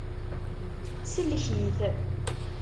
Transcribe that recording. Sellek-it.